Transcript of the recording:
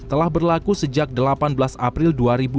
telah berlaku sejak delapan belas april dua ribu dua puluh